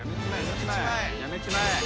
やめちまえ。